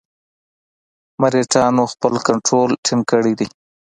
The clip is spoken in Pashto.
مرهټیانو خپل کنټرول ټینګ کړی دی.